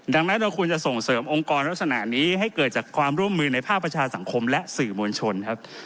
ดังนั้นเราควรจะส่งเสริมองค์กรลักษณะนี้ให้เกิดจากความร่วมมือในภาคประชาสังคมและสื่อมวลชนครับ